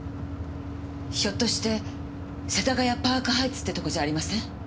ひょっとして世田谷パークハイツってとこじゃありません？